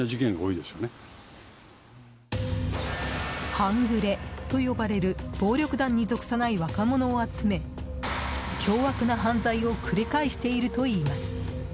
半グレと呼ばれる暴力団に属さない若者を集め凶悪な犯罪を繰り返しているといいます。